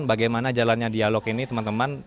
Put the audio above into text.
bagaimana jalannya dialog ini teman teman